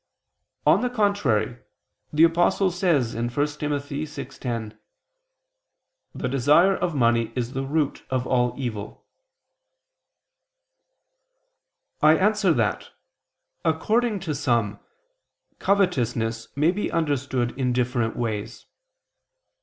On the contrary, The Apostle says (1 Tim. 6:10): "The desire of money is the root of all evil." I answer that, According to some, covetousness may be understood in different ways.